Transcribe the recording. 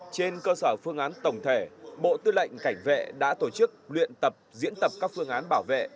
trên cơ sở phương án tổng thể bộ tư lệnh cảnh vệ đã tổ chức luyện tập diễn tập các phương án bảo vệ